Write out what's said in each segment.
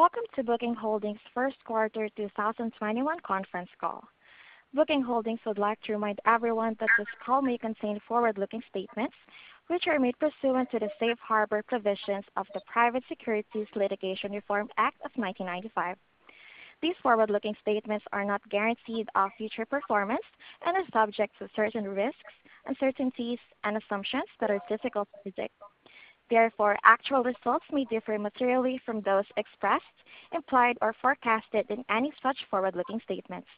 Welcome to Booking Holdings' first quarter 2021 conference call. Booking Holdings would like to remind everyone that this call may contain forward-looking statements, which are made pursuant to the safe harbor provisions of the Private Securities Litigation Reform Act of 1995. These forward-looking statements are not guarantees of future performance and are subject to certain risks, uncertainties, and assumptions that are difficult to predict. Therefore, actual results may differ materially from those expressed, implied, or forecasted in any such forward-looking statements.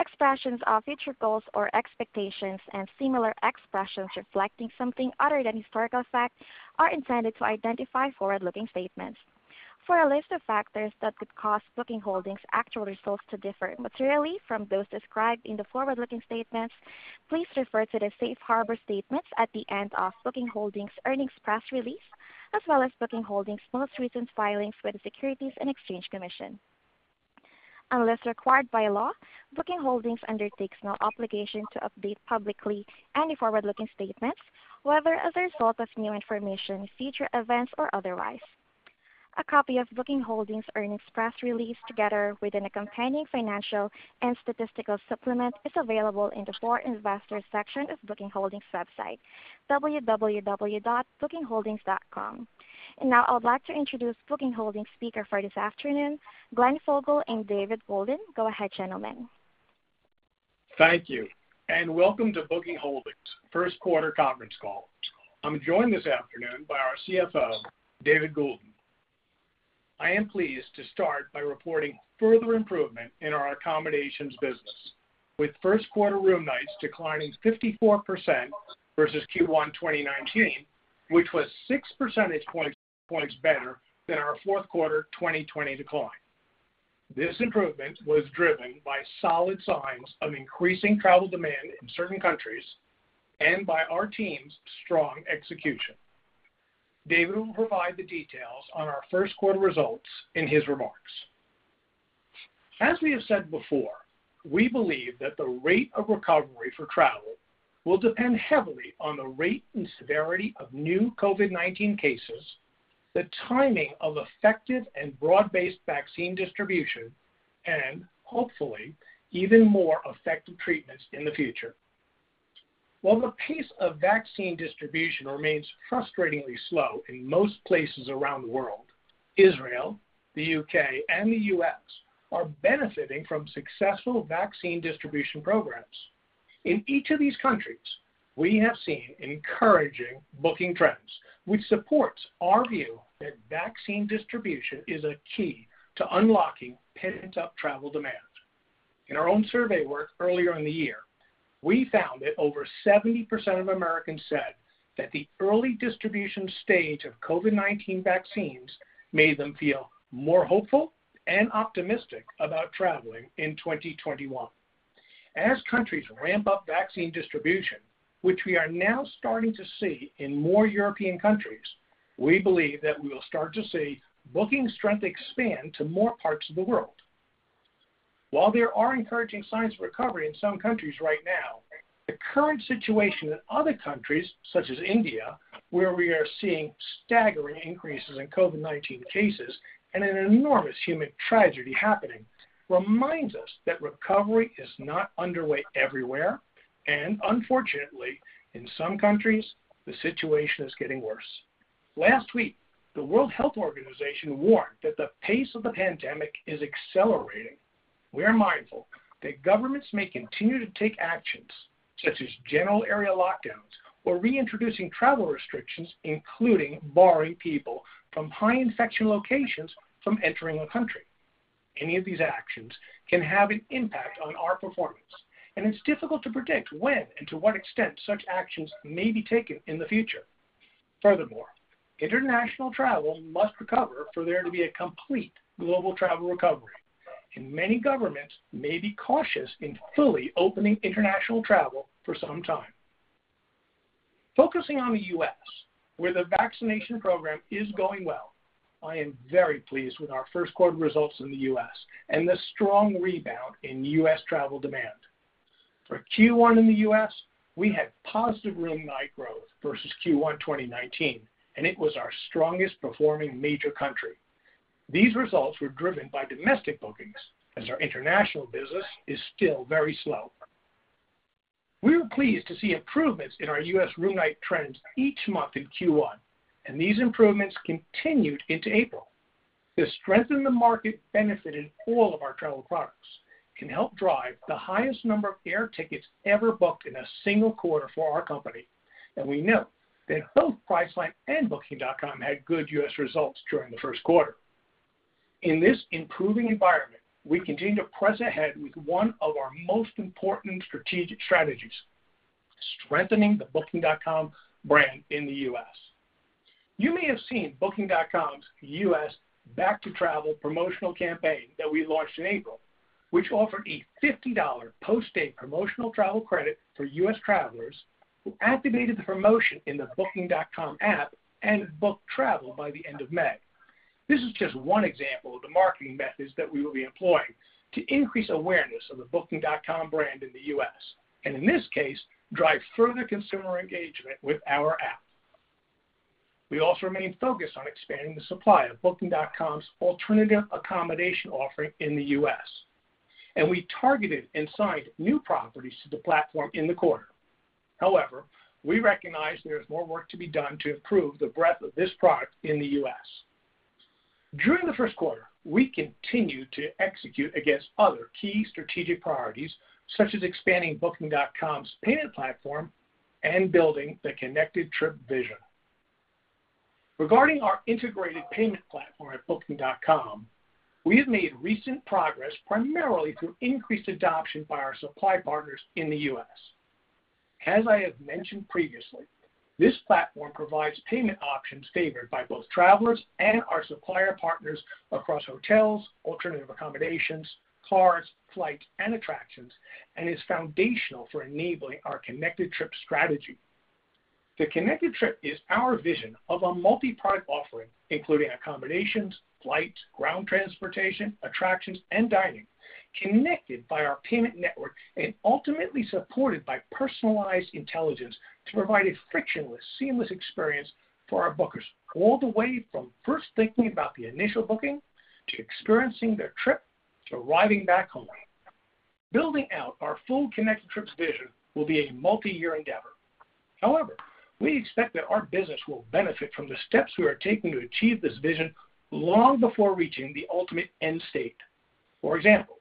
Expressions of future goals or expectations and similar expressions reflecting something other than historical fact are intended to identify forward-looking statements. For a list of factors that could cause Booking Holdings actual results to differ materially from those described in the forward-looking statements, please refer to the safe harbor statements at the end of Booking Holdings earnings press release, as well as Booking Holdings most recent filings with the Securities and Exchange Commission. Unless required by law, Booking Holdings undertakes no obligation to update publicly any forward-looking statements, whether as a result of new information, future events, or otherwise. A copy of Booking Holdings earnings press release, together with a companion financial and statistical supplement, is available in the For Investors section of Booking Holdings website, www.bookingholdings.com. Now I would like to introduce Booking Holdings speaker for this afternoon, Glenn Fogel and David Goulden. Go ahead, gentlemen. Thank you, and welcome to Booking Holdings first quarter conference call. I'm joined this afternoon by our CFO, David Goulden. I am pleased to start by reporting further improvement in our accommodations business, with first quarter room nights declining 54% versus Q1 2019, which was 6 percentage points better than our fourth quarter 2020 decline. This improvement was driven by solid signs of increasing travel demand in certain countries and by our team's strong execution. David will provide the details on our first quarter results in his remarks. As we have said before, we believe that the rate of recovery for travel will depend heavily on the rate and severity of new COVID-19 cases, the timing of effective and broad-based vaccine distribution, and hopefully, even more effective treatments in the future. While the pace of vaccine distribution remains frustratingly slow in most places around the world, Israel, the U.K., and the U.S. are benefiting from successful vaccine distribution programs. In each of these countries, we have seen encouraging booking trends, which supports our view that vaccine distribution is a key to unlocking pent-up travel demand. In our own survey work earlier in the year, we found that over 70% of Americans said that the early distribution stage of COVID-19 vaccines made them feel more hopeful and optimistic about traveling in 2021. As countries ramp up vaccine distribution, which we are now starting to see in more European countries, we believe that we will start to see booking strength expand to more parts of the world. While there are encouraging signs of recovery in some countries right now, the current situation in other countries, such as India, where we are seeing staggering increases in COVID-19 cases and an enormous human tragedy happening, reminds us that recovery is not underway everywhere, and unfortunately, in some countries, the situation is getting worse. Last week, the World Health Organization warned that the pace of the pandemic is accelerating. We are mindful that governments may continue to take actions such as general area lockdowns or reintroducing travel restrictions, including barring people from high infection locations from entering a country. Any of these actions can have an impact on our performance, and it's difficult to predict when and to what extent such actions may be taken in the future. Furthermore, international travel must recover for there to be a complete global travel recovery, and many governments may be cautious in fully opening international travel for some time. Focusing on the U.S., where the vaccination program is going well, I am very pleased with our first quarter results in the U.S. and the strong rebound in U.S. travel demand. For Q1 in the U.S., we had positive room night growth versus Q1 2019, and it was our strongest performing major country. These results were driven by domestic bookings, as our international business is still very slow. We were pleased to see improvements in our U.S. room night trends each month in Q1, and these improvements continued into April. The strength in the market benefited all of our travel products and helped drive the highest number of air tickets ever booked in a single quarter for our company. We note that both Priceline and Booking.com had good U.S. results during the first quarter. In this improving environment, we continue to press ahead with one of our most important strategic strategies: strengthening the Booking.com brand in the U.S. You may have seen Booking.com's U.S. Back to Travel promotional campaign that we launched in April, which offered a $50 post-stay promotional travel credit for U.S. travelers who activated the promotion in the Booking.com app and booked travel by the end of May. This is just one example of the marketing methods that we will be employing to increase awareness of the Booking.com brand in the U.S., and in this case, drive further consumer engagement with our app. We also remain focused on expanding the supply of Booking.com's alternative accommodation offering in the U.S., and we targeted and signed new properties to the platform in the quarter. We recognize there is more work to be done to improve the breadth of this product in the U.S. During the first quarter, we continued to execute against other key strategic priorities, such as expanding Booking.com's payment platform and building the Connected Trip vision. Regarding our integrated payment platform at Booking.com, we have made recent progress primarily through increased adoption by our supply partners in the U.S. As I have mentioned previously, this platform provides payment options favored by both travelers and our supplier partners across hotels, alternative accommodations, cars, flights, and attractions, and is foundational for enabling our Connected Trip strategy. The Connected Trip is our vision of a multi-product offering, including accommodations, flights, ground transportation, attractions, and dining, connected by our payment network and ultimately supported by personalized intelligence to provide a frictionless, seamless experience for our bookers, all the way from first thinking about the initial booking to experiencing their trip to arriving back home. Building out our full Connected Trip vision will be a multi-year endeavor. However, we expect that our business will benefit from the steps we are taking to achieve this vision long before reaching the ultimate end state. For example,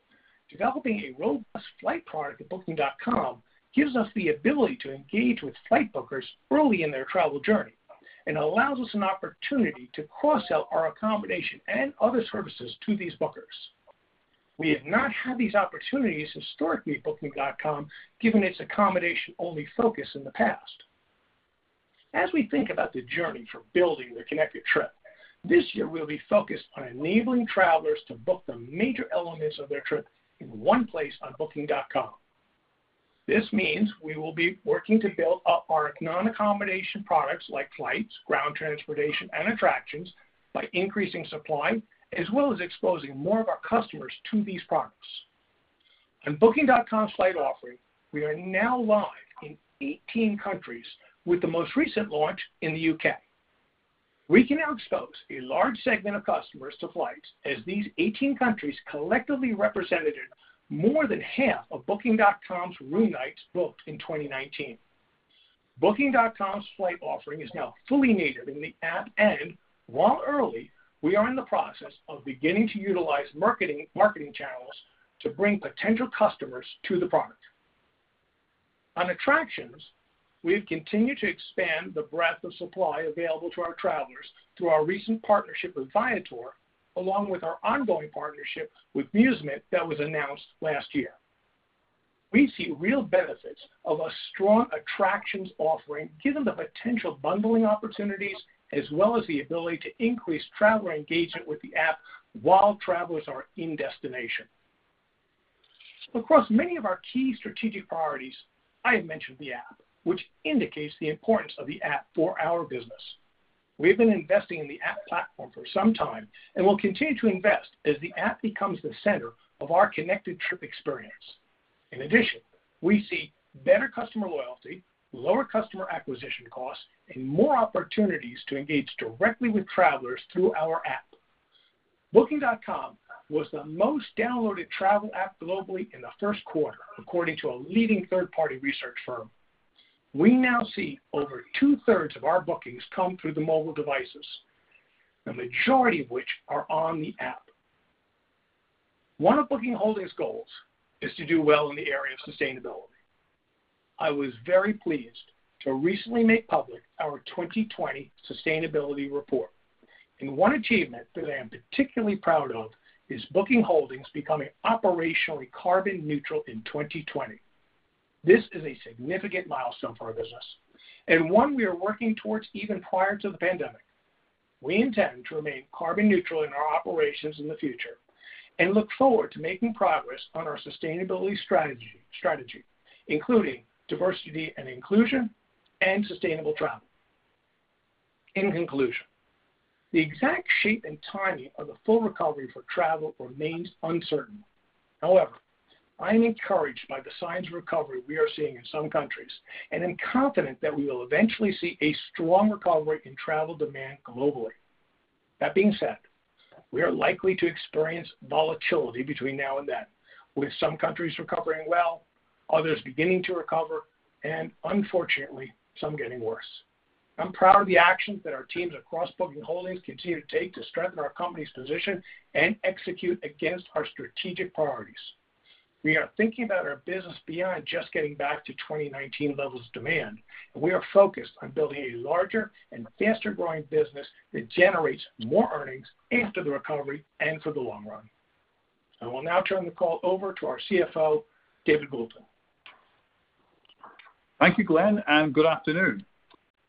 developing a robust flight product at Booking.com gives us the ability to engage with flight bookers early in their travel journey and allows us an opportunity to cross-sell our accommodation and other services to these bookers. We have not had these opportunities historically at Booking.com, given its accommodation-only focus in the past. As we think about the journey for building the Connected Trip, this year we'll be focused on enabling travelers to book the major elements of their trip in one place on Booking.com. This means we will be working to build up our non-accommodation products like flights, ground transportation, and attractions by increasing supply as well as exposing more of our customers to these products. On Booking.com's flight offering, we are now live in 18 countries, with the most recent launch in the U.K. We can now expose a large segment of customers to flights as these 18 countries collectively represented more than half of Booking.com's room nights booked in 2019. Booking.com's flight offering is now fully native in the app, and while early, we are in the process of beginning to utilize marketing channels to bring potential customers to the product. On attractions, we have continued to expand the breadth of supply available to our travelers through our recent partnership with Viator, along with our ongoing partnership with Musement that was announced last year. We see real benefits of a strong attractions offering given the potential bundling opportunities as well as the ability to increase traveler engagement with the app while travelers are in destination. Across many of our key strategic priorities, I have mentioned the app, which indicates the importance of the app for our business. We have been investing in the app platform for some time and will continue to invest as the app becomes the center of our Connected Trip experience. In addition, we see better customer loyalty, lower customer acquisition costs, and more opportunities to engage directly with travelers through our app. Booking.com was the most downloaded travel app globally in the first quarter, according to a leading third-party research firm. We now see over two-thirds of our bookings come through the mobile devices, the majority of which are on the app. One of Booking Holdings' goals is to do well in the area of sustainability. I was very pleased to recently make public our 2020 sustainability report, and one achievement that I am particularly proud of is Booking Holdings becoming operationally carbon neutral in 2020. This is a significant milestone for our business and one we are working towards even prior to the pandemic. We intend to remain carbon neutral in our operations in the future and look forward to making progress on our sustainability strategy, including diversity and inclusion and sustainable travel. In conclusion, the exact shape and timing of the full recovery for travel remains uncertain. I am encouraged by the signs of recovery we are seeing in some countries and am confident that we will eventually see a strong recovery in travel demand globally. That being said, we are likely to experience volatility between now and then, with some countries recovering well, others beginning to recover, and unfortunately, some getting worse. I'm proud of the actions that our teams across Booking Holdings continue to take to strengthen our company's position and execute against our strategic priorities. We are thinking about our business beyond just getting back to 2019 levels of demand, and we are focused on building a larger and faster-growing business that generates more earnings after the recovery and for the long run. I will now turn the call over to our CFO, David Goulden. Thank you, Glenn, and good afternoon.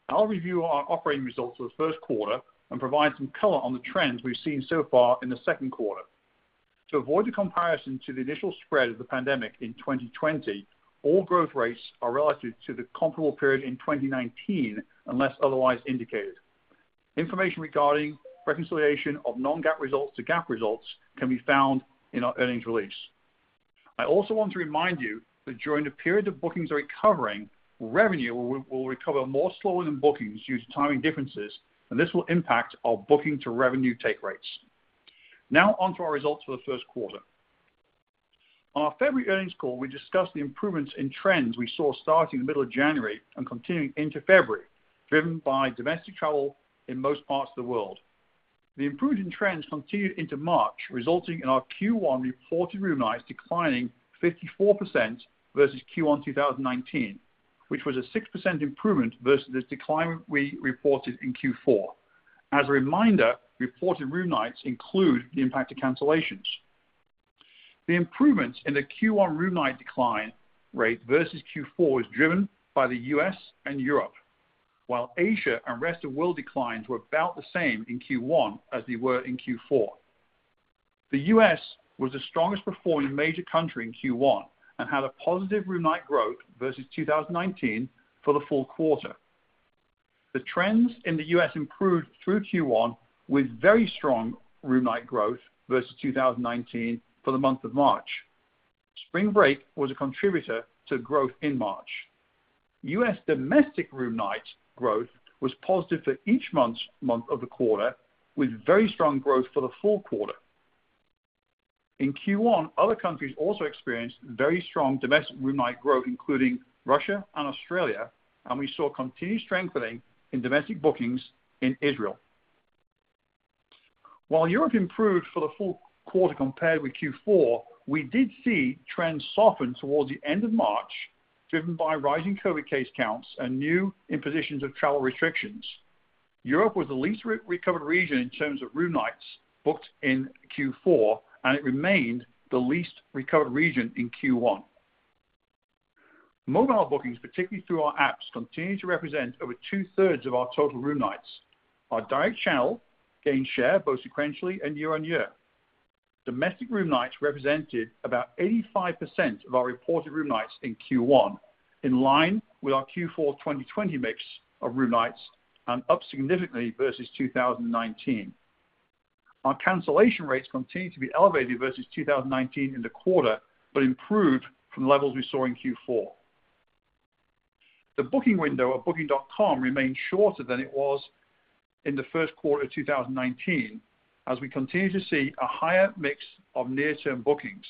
I'll review our operating results for the first quarter and provide some color on the trends we've seen so far in the second quarter. To avoid the comparison to the initial spread of the pandemic in 2020, all growth rates are relative to the comparable period in 2019, unless otherwise indicated. Information regarding reconciliation of non-GAAP results to GAAP results can be found in our earnings release. I also want to remind you that during the period that bookings are recovering, revenue will recover more slower than bookings due to timing differences, and this will impact our booking-to-revenue take rates. Onto our results for the first quarter. On our February earnings call, we discussed the improvements in trends we saw starting the middle of January and continuing into February, driven by domestic travel in most parts of the world. The improving trends continued into March, resulting in our Q1 reported room nights declining 54% versus Q1 2019, which was a 6% improvement versus the decline we reported in Q4. As a reminder, reported room nights include the impact of cancellations. The improvements in the Q1 room night decline rate versus Q4 is driven by the U.S. and Europe, while Asia and rest of world declines were about the same in Q1 as they were in Q4. The U.S. was the strongest performing major country in Q1 and had a positive room night growth versus 2019 for the full quarter. The trends in the U.S. improved through Q1 with very strong room night growth versus 2019 for the month of March. Spring break was a contributor to growth in March. U.S. domestic room night growth was positive for each month of the quarter, with very strong growth for the full quarter. In Q1, other countries also experienced very strong domestic room night growth, including Russia and Australia, and we saw continued strengthening in domestic bookings in Israel. While Europe improved for the full quarter compared with Q4, we did see trends soften towards the end of March, driven by rising COVID-19 case counts and new impositions of travel restrictions. Europe was the least recovered region in terms of room nights booked in Q4, and it remained the least recovered region in Q1. Mobile bookings, particularly through our apps, continue to represent over 2/3 of our total room nights. Our direct channel gained share both sequentially and year-on-year. Domestic room nights represented about 85% of our reported room nights in Q1, in line with our Q4 2020 mix of room nights and up significantly versus 2019. Our cancellation rates continue to be elevated versus 2019 in the quarter, but improved from levels we saw in Q4. The booking window at Booking.com remains shorter than it was in the first quarter of 2019, as we continue to see a higher mix of near-term bookings.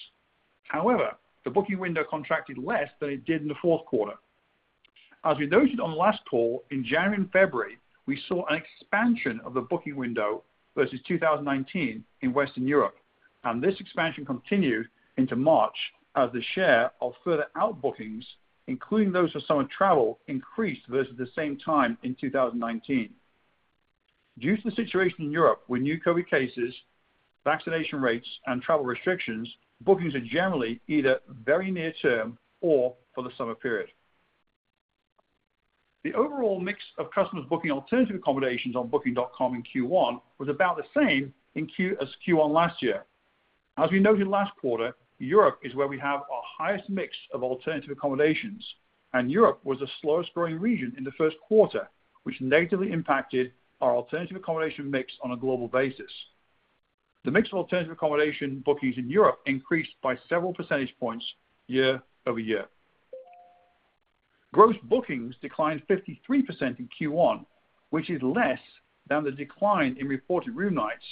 However, the booking window contracted less than it did in the fourth quarter. As we noted on the last call, in January and February, we saw an expansion of the booking window versus 2019 in Western Europe, and this expansion continued into March as the share of further out bookings, including those for summer travel, increased versus the same time in 2019. Due to the situation in Europe with new COVID-19 cases, vaccination rates, and travel restrictions, bookings are generally either very near term or for the summer period. The overall mix of customers booking alternative accommodations on Booking.com in Q1 was about the same as Q1 last year. As we noted last quarter, Europe is where we have our highest mix of alternative accommodations, and Europe was the slowest growing region in the first quarter, which negatively impacted our alternative accommodation mix on a global basis. The mix of alternative accommodation bookings in Europe increased by several percentage points year-over-year. Gross bookings declined 53% in Q1, which is less than the decline in reported room nights,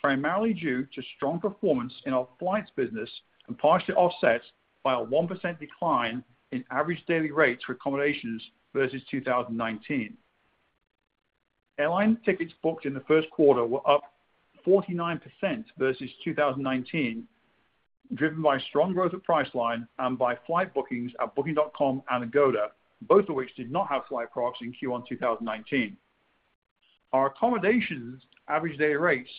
primarily due to strong performance in our flights business and partially offset by a 1% decline in average daily rates for accommodations versus 2019. Airline tickets booked in the first quarter were up 49% versus 2019, driven by strong growth at Priceline and by flight bookings at Booking.com and Agoda, both of which did not have flight products in Q1 2019. Our accommodations Average Daily Rates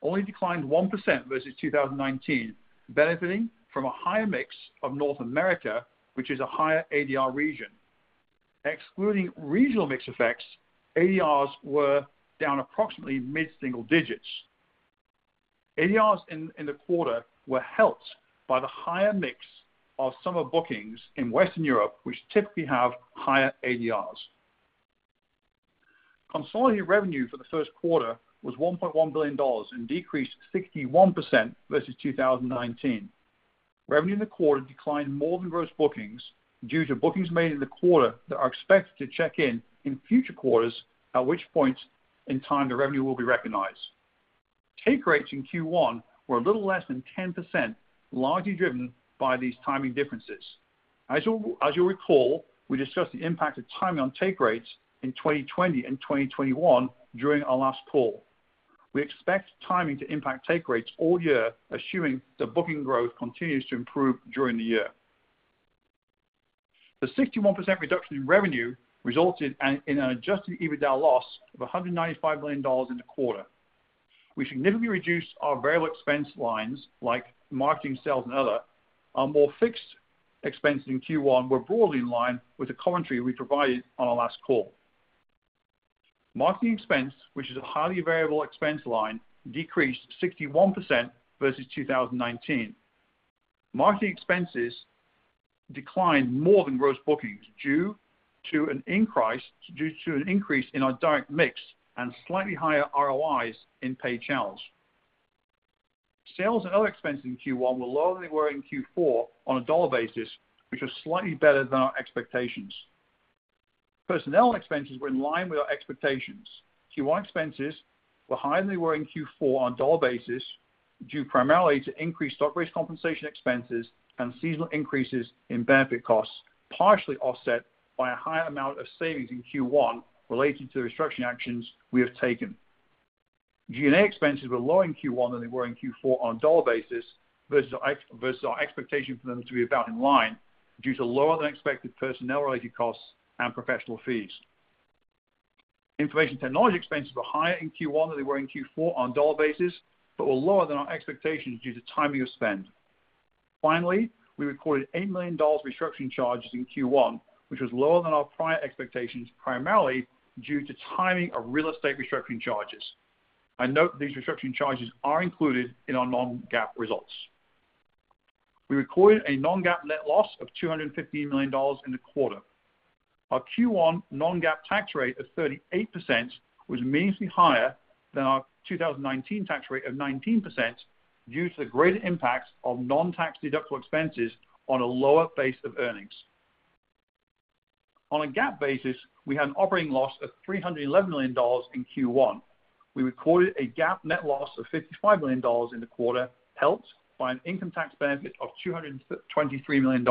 only declined 1% versus 2019, benefiting from a higher mix of North America, which is a higher ADR region. Excluding regional mix effects, ADRs were down approximately mid-single digits. ADRs in the quarter were helped by the higher mix of summer bookings in Western Europe, which typically have higher ADRs. Consolidated revenue for the first quarter was $1.1 billion and decreased 61% versus 2019. Revenue in the quarter declined more than gross bookings due to bookings made in the quarter that are expected to check in in future quarters, at which point in time the revenue will be recognized. Take rates in Q1 were a little less than 10%, largely driven by these timing differences. As you'll recall, we discussed the impact of timing on take rates in 2020 and 2021 during our last call. We expect timing to impact take rates all year, assuming the booking growth continues to improve during the year. The 61% reduction in revenue resulted in an adjusted EBITDA loss of $195 million in the quarter. We significantly reduced our variable expense lines like marketing, sales, and other. Our more fixed expenses in Q1 were broadly in line with the commentary we provided on our last call. Marketing expense, which is a highly variable expense line, decreased 61% versus 2019. Marketing expenses declined more than gross bookings due to an increase in our direct mix and slightly higher ROIs in paid channels. Sales and other expenses in Q1 were lower than they were in Q4 on a dollar basis, which was slightly better than our expectations. Personnel expenses were in line with our expectations. Q1 expenses were higher than they were in Q4 on a dollar basis, due primarily to increased stock-based compensation expenses and seasonal increases in benefit costs, partially offset by a higher amount of savings in Q1 related to the restructuring actions we have taken. G&A expenses were lower in Q1 than they were in Q4 on a dollar basis versus our expectation for them to be about in line, due to lower than expected personnel related costs and professional fees. Information technology expenses were higher in Q1 than they were in Q4 on a dollar basis, but were lower than our expectations due to timing of spend. Finally, we recorded $8 million restructuring charges in Q1, which was lower than our prior expectations, primarily due to timing of real estate restructuring charges. I note these restructuring charges are included in our non-GAAP results. We recorded a non-GAAP net loss of $250 million in the quarter. Our Q1 non-GAAP tax rate of 38% was meaningfully higher than our 2019 tax rate of 19%, due to the greater impacts of non-tax deductible expenses on a lower base of earnings. On a GAAP basis, we had an operating loss of $311 million in Q1. We recorded a GAAP net loss of $55 million in the quarter, helped by an income tax benefit of $223 million.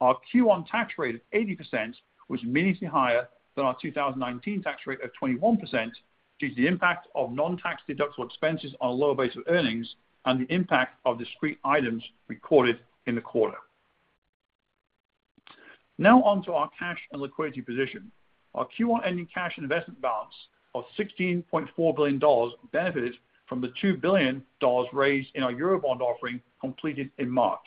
Our Q1 tax rate of 80% was meaningfully higher than our 2019 tax rate of 21%, due to the impact of non-tax deductible expenses on a lower base of earnings and the impact of discrete items recorded in the quarter. On to our cash and liquidity position. Our Q1 ending cash and investment balance of $16.4 billion benefited from the $2 billion raised in our Eurobond offering completed in March.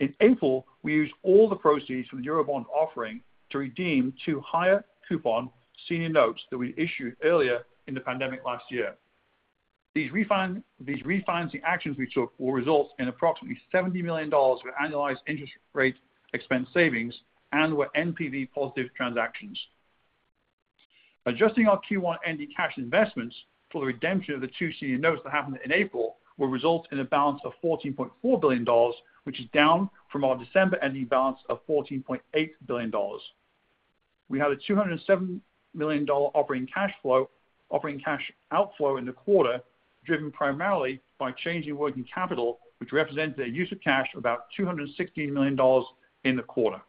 In April, we used all the proceeds from the Eurobond offering to redeem two higher coupon senior notes that we issued earlier in the pandemic last year. These refinancing actions we took will result in approximately $70 million of annualized interest rate expense savings and were NPV positive transactions. Adjusting our Q1 ending cash investments for the redemption of the two senior notes that happened in April will result in a balance of $14.4 billion, which is down from our December ending balance of $14.8 billion. We had a $207 million operating cash outflow in the quarter, driven primarily by changing working capital, which represented a use of cash of about $216 million in the quarter.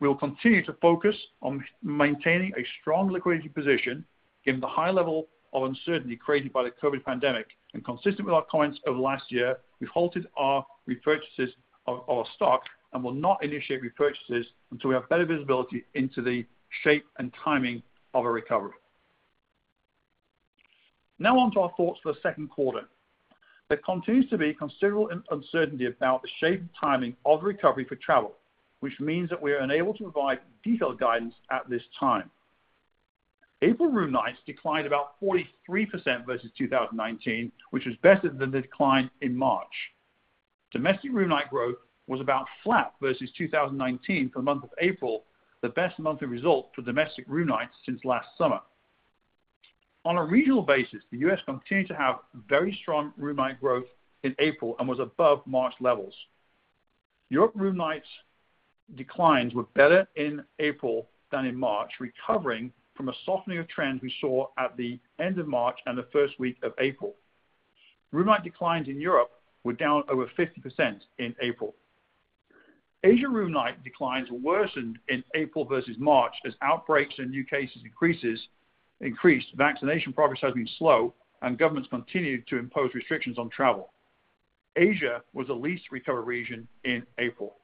We will continue to focus on maintaining a strong liquidity position given the high level of uncertainty created by the COVID-19 pandemic, and consistent with our comments over last year, we halted our repurchases of our stock and will not initiate repurchases until we have better visibility into the shape and timing of a recovery. Now on to our thoughts for the second quarter. There continues to be considerable uncertainty about the shape and timing of recovery for travel, which means that we are unable to provide detailed guidance at this time. April room nights declined about 43% versus 2019, which was better than the decline in March. Domestic room night growth was about flat versus 2019 for the month of April, the best monthly result for domestic room nights since last summer. On a regional basis, the U.S. continued to have very strong room night growth in April and was above March levels. Europe room nights declines were better in April than in March, recovering from a softening of trends we saw at the end of March and the first week of April. Room night declines in Europe were down over 50% in April. Asia room night declines worsened in April versus March as outbreaks and new cases increased, vaccination progress has been slow, and governments continued to impose restrictions on travel. Asia was the least recovered region in April.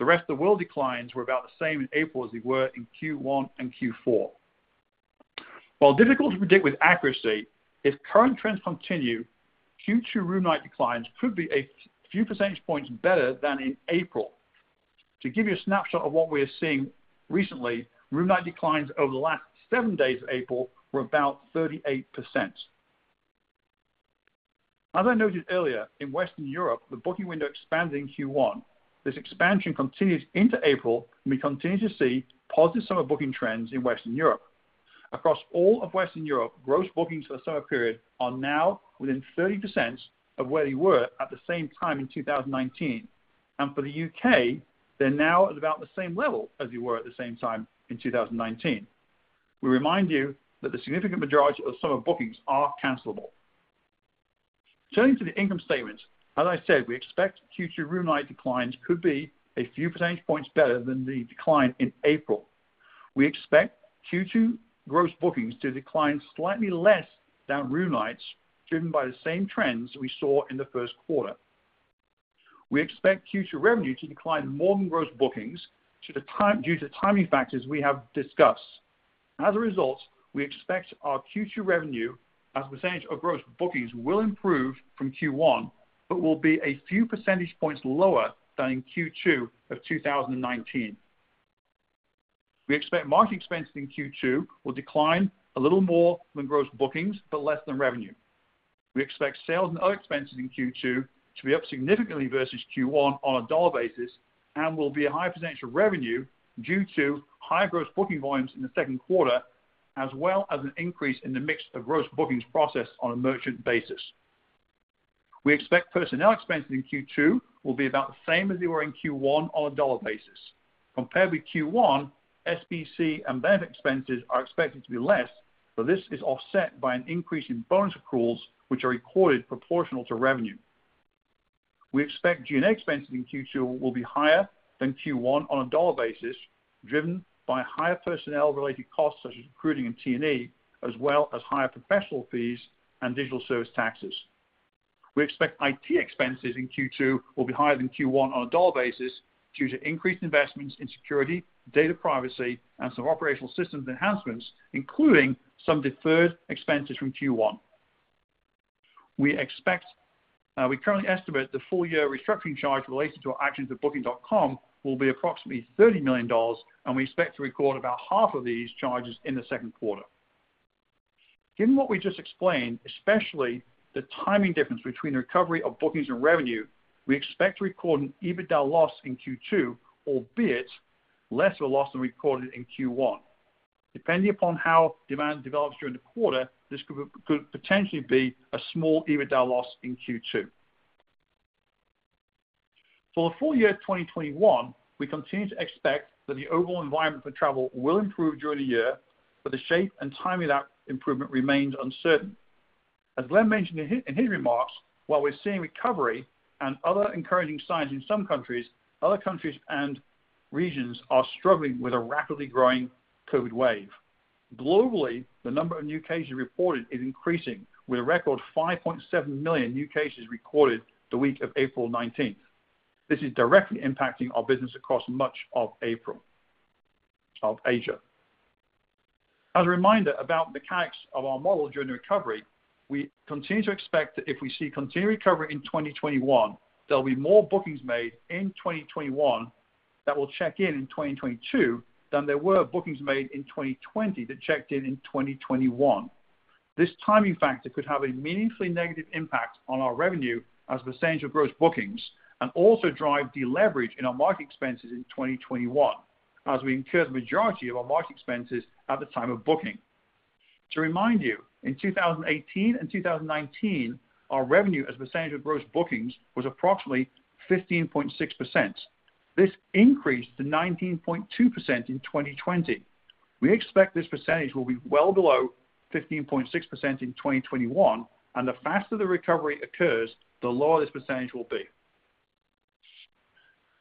The rest of world declines were about the same in April as they were in Q1 and Q4. While difficult to predict with accuracy, if current trends continue, Q2 room night declines could be a few percentage points better than in April. To give you a snapshot of what we are seeing recently, room night declines over the last seven days of April were about 38%. As I noted earlier, in Western Europe, the booking window expanded in Q1. This expansion continues into April, and we continue to see positive summer booking trends in Western Europe. Across all of Western Europe, gross bookings for the summer period are now within 30% of where they were at the same time in 2019. For the U.K., they're now at about the same level as they were at the same time in 2019. We remind you that the significant majority of summer bookings are cancelable. Turning to the income statement, as I said, we expect Q2 room night declines could be a few percentage points better than the decline in April. We expect Q2 gross bookings to decline slightly less than room nights, driven by the same trends we saw in the first quarter. We expect Q2 revenue to decline more than gross bookings due to the timing factors we have discussed. As a result, we expect our Q2 revenue as a percentage of gross bookings will improve from Q1, but will be a few percentage points lower than in Q2 of 2019. We expect marketing expenses in Q2 will decline a little more than gross bookings, but less than revenue. We expect sales and other expenses in Q2 to be up significantly versus Q1 on a dollar basis and will be a higher percentage of revenue due to high gross booking volumes in the second quarter, as well as an increase in the mix of gross bookings processed on a merchant basis. We expect personnel expenses in Q2 will be about the same as they were in Q1 on a dollar basis. Compared with Q1, SBC and benefit expenses are expected to be less, but this is offset by an increase in bonus accruals, which are recorded proportional to revenue. We expect G&A expenses in Q2 will be higher than Q1 on a dollar basis, driven by higher personnel-related costs such as recruiting and T&E, as well as higher professional fees and digital service taxes. We expect IT expenses in Q2 will be higher than Q1 on a dollar basis due to increased investments in security, data privacy, and some operational systems enhancements, including some deferred expenses from Q1. We currently estimate the full-year restructuring charge related to our actions at Booking.com will be approximately $30 million, and we expect to record about half of these charges in the second quarter. Given what we just explained, especially the timing difference between the recovery of bookings and revenue, we expect to record an EBITDA loss in Q2, albeit less of a loss than we recorded in Q1. Depending upon how demand develops during the quarter, this could potentially be a small EBITDA loss in Q2. For the full year 2021, we continue to expect that the overall environment for travel will improve during the year, but the shape and timing of that improvement remains uncertain. As Glenn mentioned in his remarks, while we're seeing recovery and other encouraging signs in some countries, other countries and regions are struggling with a rapidly growing COVID wave. Globally, the number of new cases reported is increasing, with a record 5.7 million new cases recorded the week of April 19th. This is directly impacting our business across much of April of Asia. As a reminder about the mechanics of our model during the recovery, we continue to expect that if we see continued recovery in 2021, there'll be more bookings made in 2021 that will check in in 2022 than there were bookings made in 2020 that checked in in 2021. This timing factor could have a meaningfully negative impact on our revenue as a percentage of gross bookings, and also drive deleverage in our marketing expenses in 2021, as we incur the majority of our marketing expenses at the time of booking. To remind you, in 2018 and 2019, our revenue as a percentage of gross bookings was approximately 15.6%. This increased to 19.2% in 2020. We expect this percentage will be well below 15.6% in 2021, and the faster the recovery occurs, the lower this percentage will be.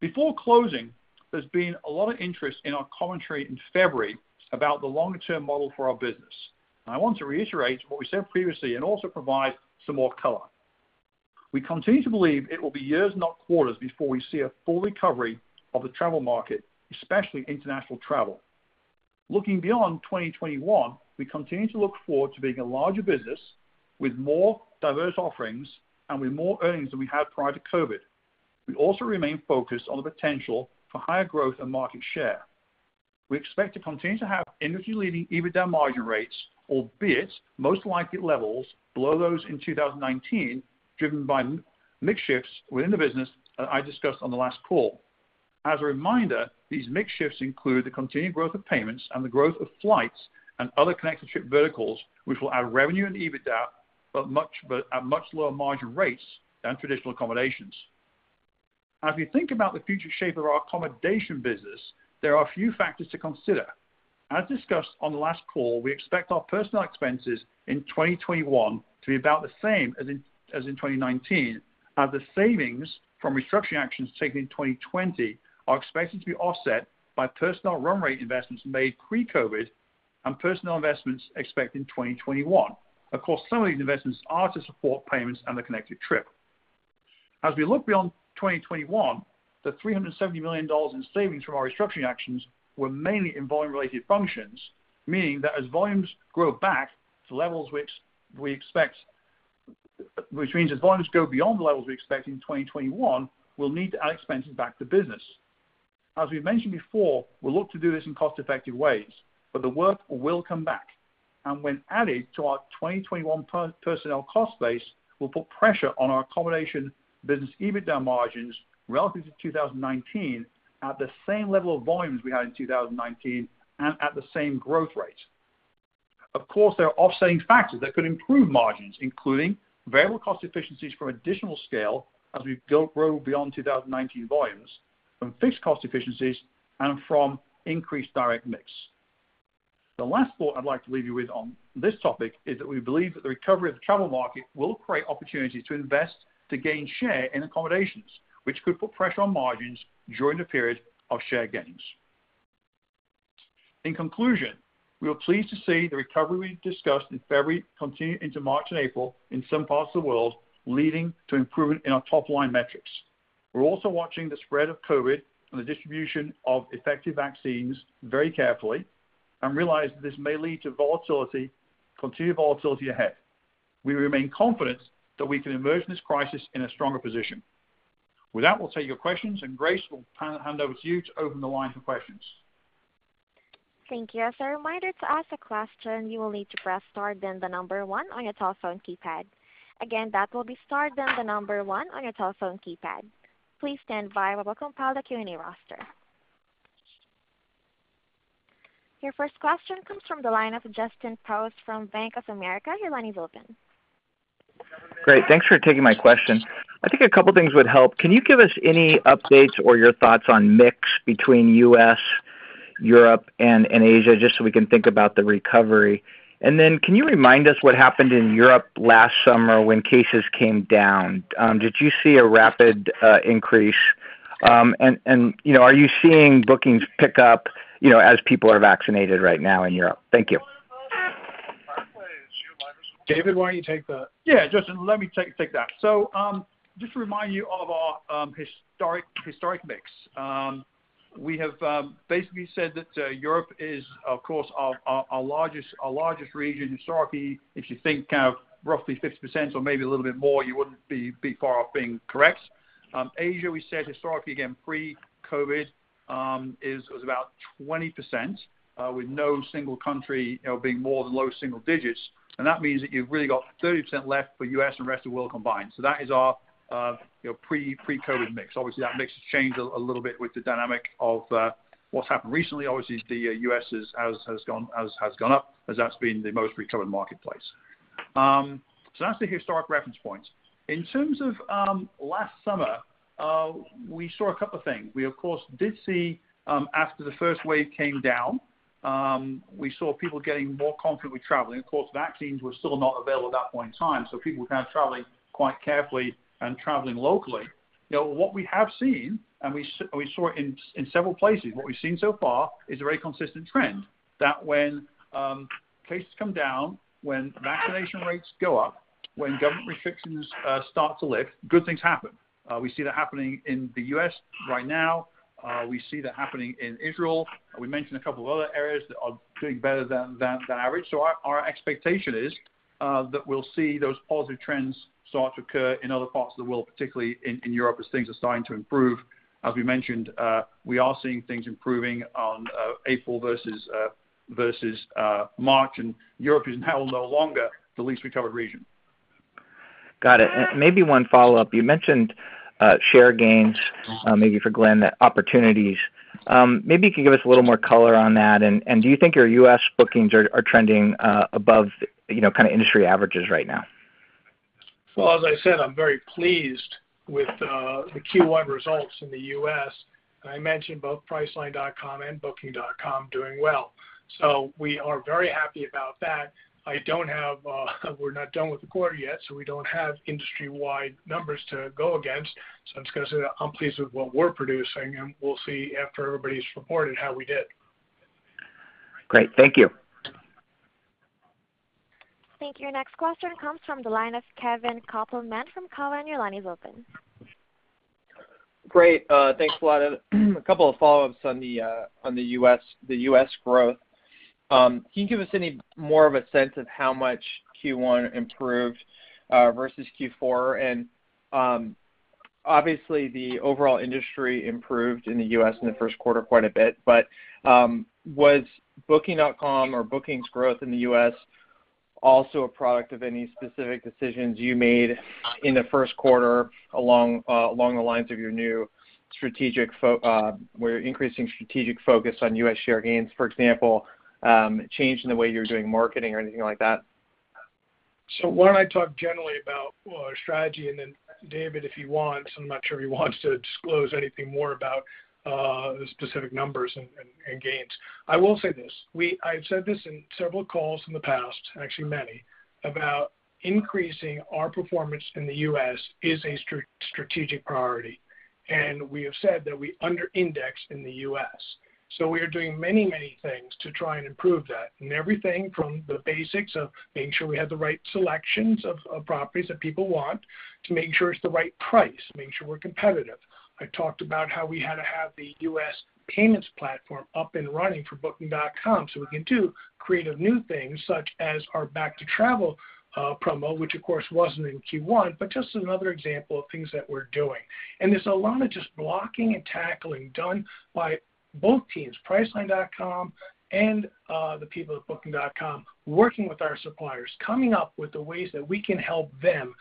Before closing, there's been a lot of interest in our commentary in February about the longer-term model for our business, and I want to reiterate what we said previously and also provide some more color. We continue to believe it will be years, not quarters, before we see a full recovery of the travel market, especially international travel. Looking beyond 2021, we continue to look forward to being a larger business with more diverse offerings and with more earnings than we had prior to COVID-19. We also remain focused on the potential for higher growth and market share. We expect to continue to have industry-leading EBITDA margin rates, albeit most likely levels below those in 2019, driven by mix shifts within the business that I discussed on the last call. As a reminder, these mix shifts include the continued growth of payments and the growth of flights and other Connected Trip verticals, which will add revenue and EBITDA, but at much lower margin rates than traditional accommodations. As we think about the future shape of our accommodation business, there are a few factors to consider. As discussed on the last call, we expect our personnel expenses in 2021 to be about the same as in 2019, as the savings from restructuring actions taken in 2020 are expected to be offset by personnel run rate investments made pre-COVID-19 and personnel investments expected in 2021. Of course, some of these investments are to support payments and the Connected Trip. As we look beyond 2021, the $370 million in savings from our restructuring actions were mainly in volume-related functions, meaning that as volumes grow back to levels which means as volumes grow beyond the levels we expect in 2021, we'll need to add expenses back to business. As we mentioned before, we'll look to do this in cost-effective ways, but the work will come back, and when added to our 2021 personnel cost base, will put pressure on our accommodation business EBITDA margins relative to 2019 at the same level of volumes we had in 2019 and at the same growth rate. Of course, there are offsetting factors that could improve margins, including variable cost efficiencies from additional scale as we grow beyond 2019 volumes, from fixed cost efficiencies, and from increased direct mix. The last thought I'd like to leave you with on this topic is that we believe that the recovery of the travel market will create opportunities to invest to gain share in accommodations, which could put pressure on margins during the period of share gains. In conclusion, we are pleased to see the recovery we discussed in February continue into March and April in some parts of the world, leading to improvement in our top-line metrics. We're also watching the spread of COVID-19 and the distribution of effective vaccines very carefully and realize that this may lead to volatility, continued volatility ahead. We remain confident that we can emerge from this crisis in a stronger position. With that, we'll take your questions. Grace, we'll hand over to you to open the line for questions. Thank you. As a reminder, to ask a question, you will need to press star, then the number one on your telephone keypad. Again, that will be star, then the number one on your telephone keypad. Please stand by while we compile the Q&A roster. Your first question comes from the line of Justin Post from Bank of America. Your line is open. Great. Thanks for taking my question. I think a couple of things would help. Can you give us any updates or your thoughts on mix between U.S., Europe, and Asia, just so we can think about the recovery? Can you remind us what happened in Europe last summer when cases came down? Did you see a rapid increase? Are you seeing bookings pick up as people are vaccinated right now in Europe? Thank you. David, why don't you take that? Yeah, Justin, let me take that. Just to remind you of our historic mix. We have basically said that Europe is, of course, our largest region historically. If you think roughly 50% or maybe a little bit more, you wouldn't be far off being correct. Asia, we said historically, again, pre-COVID, is about 20% with no single country being more than low single digits. That means that you've really got 30% left for U.S. and rest of world combined. That is our pre-COVID mix. Obviously, that mix has changed a little bit with the dynamic of what's happened recently. Obviously, the U.S. has gone up as that's been the most recovered marketplace. That's the historic reference point. In terms of last summer, we saw a couple of things. We, of course, did see after the first wave came down, we saw people getting more comfortable with traveling. Of course, vaccines were still not available at that point in time, so people were traveling quite carefully and traveling locally. What we have seen, and we saw it in several places, what we've seen so far is a very consistent trend that when cases come down, when vaccination rates go up, when government restrictions start to lift, good things happen. We see that happening in the U.S. right now. We see that happening in Israel. We mentioned a couple of other areas that are doing better than average. Our expectation is that we'll see those positive trends start to occur in other parts of the world, particularly in Europe, as things are starting to improve. As we mentioned, we are seeing things improving on April versus March, and Europe is now no longer the least recovered region. Got it. Maybe one follow-up. You mentioned share gains, maybe for Glenn, the opportunities. Maybe you could give us a little more color on that, and do you think your U.S. bookings are trending above industry averages right now? As I said, I'm very pleased with the Q1 results in the U.S. I mentioned both Priceline.com and Booking.com doing well. We are very happy about that. We're not done with the quarter yet, so we don't have industry-wide numbers to go against. I'm just going to say that I'm pleased with what we're producing, and we'll see after everybody's reported how we did. Great. Thank you. Thank you. Our next question comes from the line of Kevin Kopelman from Cowen. Your line is open. Great. Thanks a lot. A couple of follow-ups on the U.S. growth. Can you give us any more of a sense of how much Q1 improved versus Q4? Obviously, the overall industry improved in the U.S. in the first quarter quite a bit, but was Booking.com or bookings growth in the U.S. also a product of any specific decisions you made in the first quarter along the lines of your new strategic focus on U.S. share gains, for example, change in the way you're doing marketing or anything like that? Why don't I talk generally about strategy, and then David, if you want, because I'm not sure he wants to disclose anything more about the specific numbers and gains. I will say this. I've said this in several calls in the past, actually many, about increasing our performance in the U.S. is a strategic priority, and we have said that we under-indexed in the U.S. We are doing many things to try and improve that, and everything from the basics of making sure we have the right selections of properties that people want to make sure it's the right price, make sure we're competitive. I talked about how we had to have the U.S. payments platform up and running for Booking.com so we can do creative new things such as our Back to Travel promo, which of course, wasn't in Q1, but just another example of things that we're doing. There's a lot of just blocking and tackling done by both teams, Priceline.com and the people at Booking.com, working with our suppliers, coming up with the ways that we can help them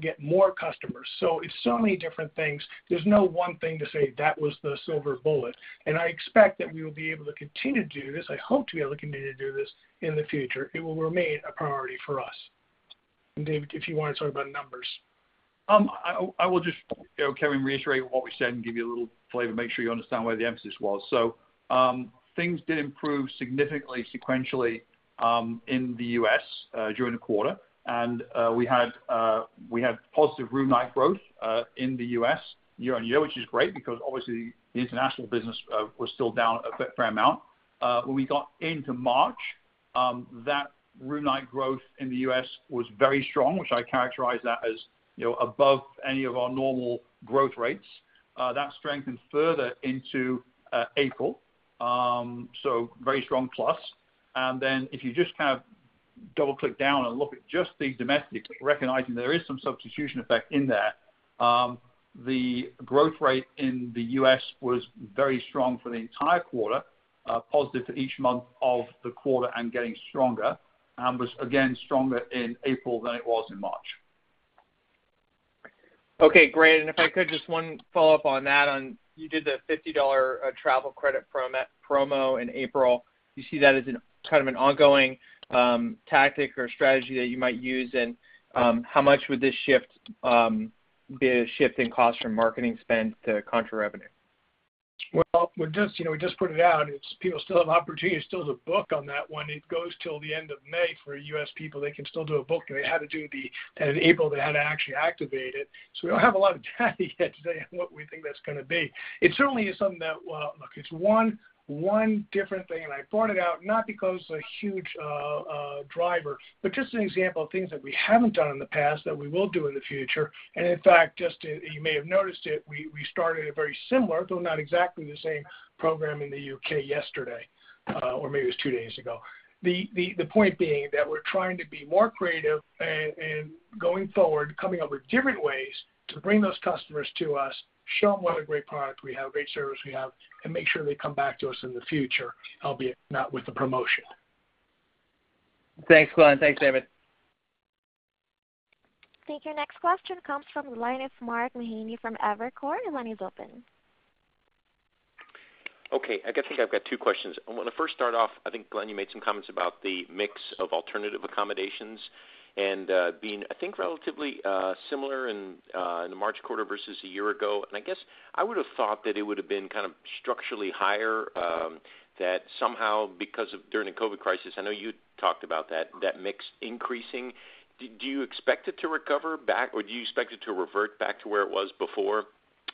get more customers. It's so many different things. There's no one thing to say that was the silver bullet. I expect that we will be able to continue to do this. I hope to be able to continue to do this in the future. It will remain a priority for us. David, if you want to talk about numbers. I will just, Kevin, reiterate what we said and give you a little flavor, make sure you understand where the emphasis was. Things did improve significantly sequentially in the U.S. during the quarter, and we had positive room night growth in the U.S. year-over-year, which is great because obviously the international business was still down a fair amount. When we got into March, that room night growth in the U.S. was very strong, which I characterize that as above any of our normal growth rates. That strengthened further into April, so very strong plus. If you just double click down and look at just the domestic, recognizing there is some substitution effect in there. The growth rate in the U.S. was very strong for the entire quarter, positive for each month of the quarter and getting stronger. Was again stronger in April than it was in March. Okay, great. If I could, just one follow-up on that. You did the $50 travel credit promo in April. Do you see that as kind of an ongoing tactic or strategy that you might use? How much would this be a shift in cost from marketing spend to contra revenue? We just put it out. People still have an opportunity to still do a book on that one. It goes till the end of May for U.S. people. They can still do a book. In April, they had to actually activate it. We don't have a lot of data yet to say what we think that's going to be. It certainly is something that. Well, look, it's one different thing, and I brought it out not because it's a huge driver, but just an example of things that we haven't done in the past that we will do in the future. In fact, you may have noticed it, we started a very similar, though not exactly the same program in the U.K. yesterday. Maybe it was two days ago. The point being that we're trying to be more creative and going forward, coming up with different ways to bring those customers to us, show them what a great product we have, great service we have, and make sure they come back to us in the future, albeit not with the promotion. Thanks, Glenn. Thanks, David. I think your next question comes from the line of Mark Mahaney from Evercore. The line is open. Okay. I guess I've got two questions. I want to first start off, I think, Glenn, you made some comments about the mix of alternative accommodations and being, I think, relatively similar in the March quarter versus a year ago. I guess I would have thought that it would have been kind of structurally higher, that somehow because of during the COVID crisis, I know you talked about that mix increasing. Do you expect it to recover back or do you expect it to revert back to where it was before,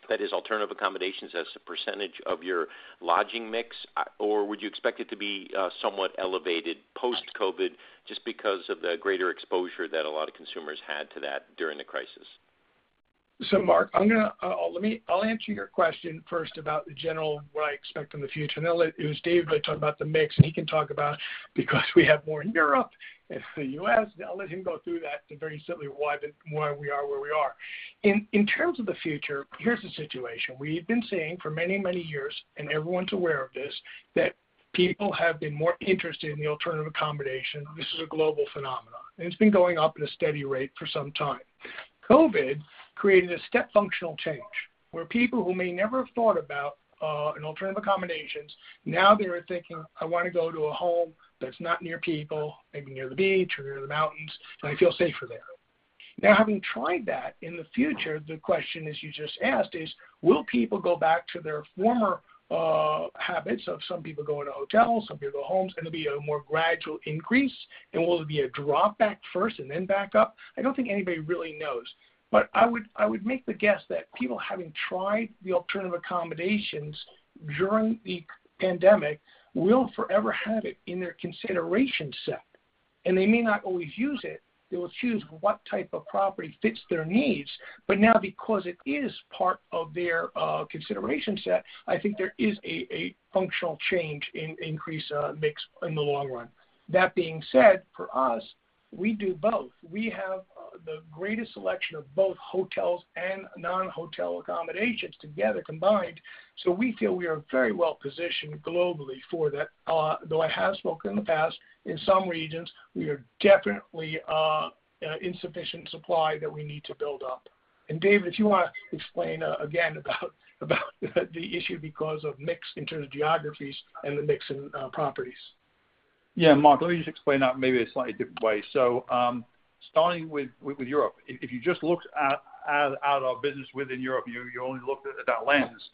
that is alternative accommodations as a percentage of your lodging mix? Would you expect it to be somewhat elevated post-COVID just because of the greater exposure that a lot of consumers had to that during the crisis? Mark, I'll answer your question first about the general, what I expect in the future, and then it was Dave really talking about the mix, and he can talk about because we have more in Europe and the U.S., I'll let him go through that and very simply why we are where we are. In terms of the future, here's the situation. We've been seeing for many, many years, and everyone's aware of this, that people have been more interested in the alternative accommodation. This is a global phenomenon, and it's been going up at a steady rate for some time. COVID created a step functional change, where people who may never have thought about an alternative accommodations, now they are thinking, "I want to go to a home that's not near people, maybe near the beach or near the mountains, and I feel safer there." Now, having tried that, in the future, the question as you just asked is, will people go back to their former habits of some people going to hotels, some people go homes? Is it going to be a more gradual increase, and will it be a drop back first and then back up? I don't think anybody really knows. I would make the guess that people having tried the alternative accommodations during the pandemic will forever have it in their consideration set, and they may not always use it. They will choose what type of property fits their needs. Now because it is part of their consideration set, I think there is a functional change in increase mix in the long run. That being said, for us, we do both. We have the greatest selection of both hotels and non-hotel accommodations together combined. We feel we are very well positioned globally for that. Though I have spoken in the past, in some regions, we are definitely insufficient supply that we need to build up. Dave, if you want to explain again about the issue because of mix in terms of geographies and the mix in properties. Yeah, Mark, let me just explain that maybe a slightly different way. Starting with Europe, if you just looked at our business within Europe, you only looked at that lens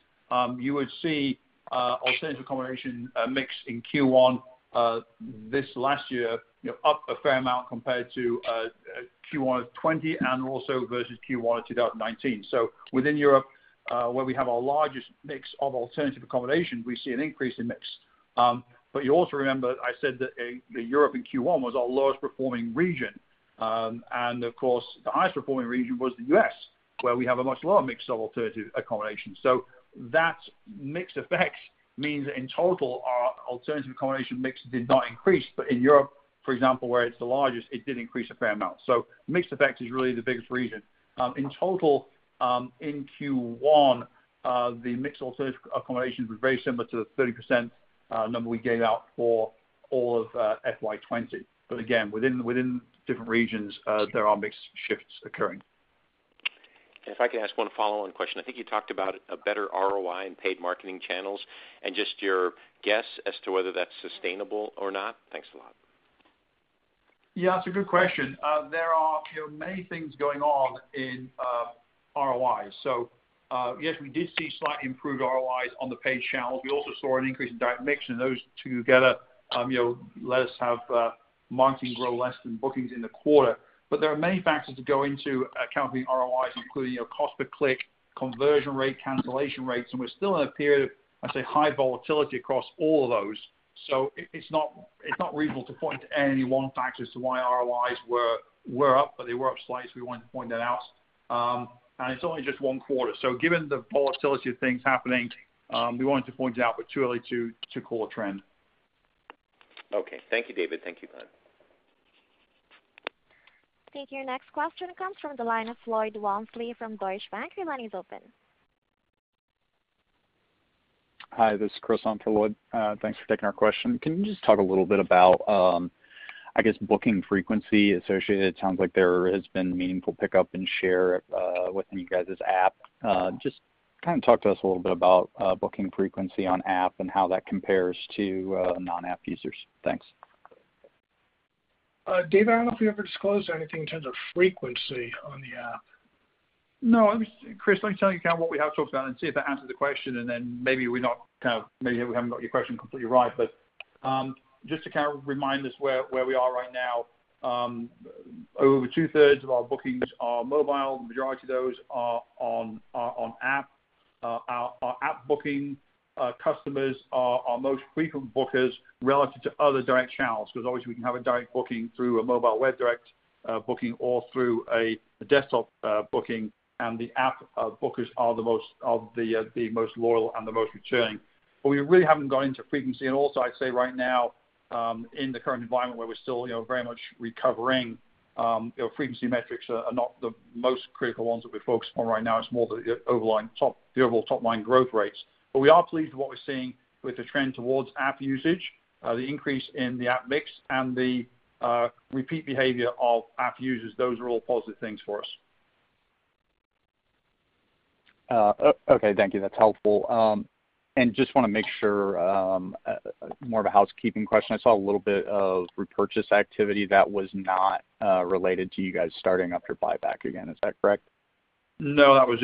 you would see alternative accommodation mix in Q1 this last year up a fair amount compared to Q1 of 2020 and also versus Q1 of 2019. Within Europe, where we have our largest mix of alternative accommodation, we see an increase in mix. You also remember I said that Europe in Q1 was our lowest performing region. Of course, the highest performing region was the U.S., where we have a much lower mix of alternative accommodation. That mix effect means that in total, our alternative accommodation mix did not increase. In Europe, for example, where it's the largest, it did increase a fair amount. Mix effect is really the biggest reason. In total, in Q1, the mix alternative accommodations was very similar to the 30% number we gave out for all of FY 2020. Again, within different regions, there are mix shifts occurring. If I could ask one follow-on question. I think you talked about a better ROI in paid marketing channels and just your guess as to whether that's sustainable or not. Thanks a lot. Yeah, that's a good question. There are many things going on in ROIs. Yes, we did see slightly improved ROIs on the paid channels. We also saw an increase in direct mix, and those two together let us have marketing grow less than bookings in the quarter. There are many factors that go into accounting ROIs, including cost per click, conversion rate, cancellation rates, and we're still in a period of, I'd say, high volatility across all of those. It's not reasonable to point to any one factor as to why ROIs were up, but they were up slightly, so we wanted to point that out. It's only just one quarter. Given the volatility of things happening, we wanted to point it out, but too early to call a trend. Okay. Thank you, David. Thank you, Glenn. Thank you. Your next question comes from the line of Lloyd Walmsley from Deutsche Bank. Your line is open. Hi, this is Chris on for Lloyd. Thanks for taking our question. Can you just talk a little bit about, I guess, booking frequency associated? It sounds like there has been meaningful pickup in share within you guys' app. Talk to us a little bit about booking frequency on app and how that compares to non-app users. Thanks. David, I don't know if you ever disclosed anything in terms of frequency on the app. No. Chris, let me tell you what we have talked about and see if that answers the question, then maybe we haven't got your question completely right. Just to remind us where we are right now, over two-thirds of our bookings are mobile. The majority of those are on app. Our app booking customers are our most frequent bookers relative to other direct channels, because obviously we can have a direct booking through a mobile web direct booking or through a desktop booking, the app bookers are the most loyal and the most returning. We really haven't gone into frequency, also I'd say right now, in the current environment where we're still very much recovering, frequency metrics are not the most critical ones that we focus on right now. It's more the overall top-line growth rates. We are pleased with what we're seeing with the trend towards app usage, the increase in the app mix, and the repeat behavior of app users. Those are all positive things for us. Okay. Thank you. That's helpful. Just want to make sure, more of a housekeeping question. I saw a little bit of repurchase activity that was not related to you guys starting up your buyback again. Is that correct? No, that was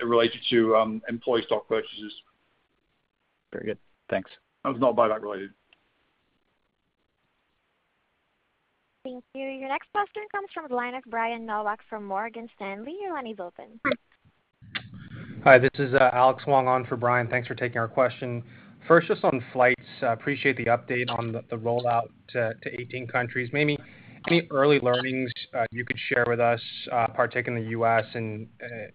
related to employee stock purchases. Very good. Thanks. That was not buyback related. Thank you. Your next question comes from the line of Brian Nowak from Morgan Stanley. Your line is open. Hi, this is Alex Wong on for Brian. Thanks for taking our question. First, just on flights, appreciate the update on the rollout to 18 countries. Maybe any early learnings you could share with us, partake in the U.S. and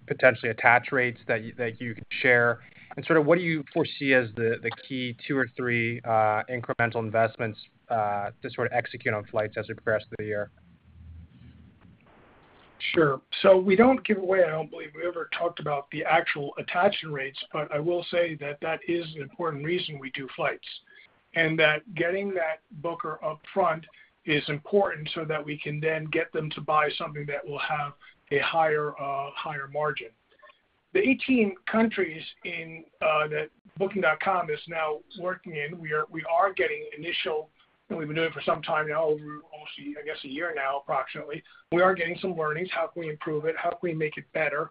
potentially attach rates that you could share? Sort of what do you foresee as the key two or three incremental investments to sort of execute on flights as we progress through the year? Sure. We don't give away, I don't believe we ever talked about the actual attachment rates, but I will say that that is an important reason we do flights, and that getting that booker upfront is important so that we can then get them to buy something that will have a higher margin. The 18 countries that Booking.com is now working in, we are getting initial, and we've been doing it for some time now, over almost, I guess, a year now, approximately, we are getting some learnings, how can we improve it? How can we make it better?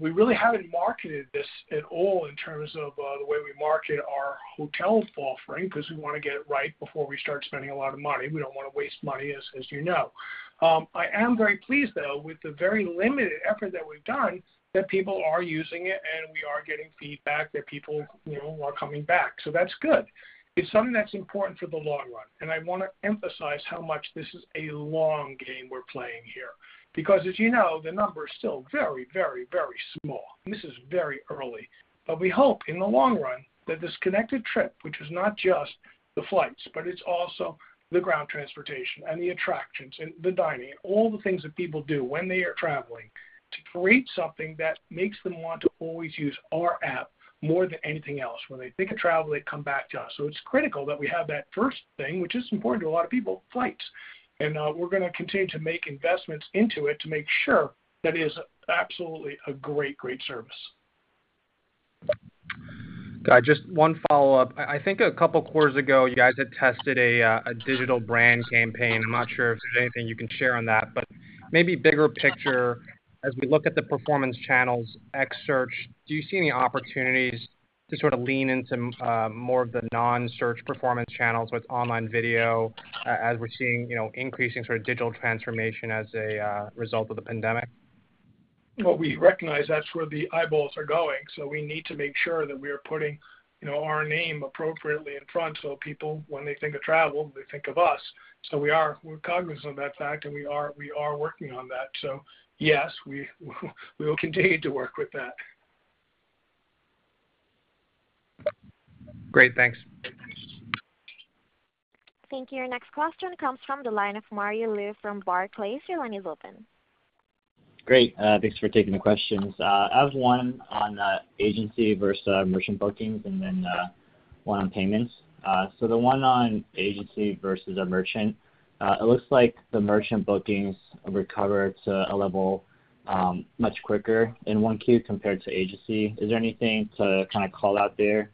We really haven't marketed this at all in terms of the way we market our hotel offering, because we want to get it right before we start spending a lot of money. We don't want to waste money, as you know. I am very pleased, though, with the very limited effort that we've done, that people are using it, and we are getting feedback that people are coming back. That's good. It's something that's important for the long run, and I want to emphasize how much this is a long game we're playing here. As you know, the number is still very, very small. This is very early, but we hope in the long run that this Connected Trip, which is not just the flights, but it's also the ground transportation and the attractions and the dining, all the things that people do when they are traveling, to create something that makes them want to always use our app more than anything else. When they think of travel, they come back to us. It's critical that we have that first thing, which is important to a lot of people, flights. We're going to continue to make investments into it to make sure that it is absolutely a great service. Just one follow-up. I think a couple quarters ago, you guys had tested a digital brand campaign. I'm not sure if there's anything you can share on that, but maybe bigger picture, as we look at the performance channels, X Search, do you see any opportunities to sort of lean into more of the non-search performance channels with online video as we're seeing increasing digital transformation as a result of the pandemic? We recognize that's where the eyeballs are going. We need to make sure that we are putting our name appropriately in front so people, when they think of travel, they think of us. We're cognizant of that fact, and we are working on that. Yes, we will continue to work with that. Great. Thanks. Thank you. Your next question comes from the line of Mario Lu from Barclays. Your line is open. Great. Thanks for taking the questions. I have one on agency versus merchant bookings, and then one on payments. The one on agency versus a merchant, it looks like the merchant bookings recovered to a level much quicker in 1Q compared to agency. Is there anything to kind of call out there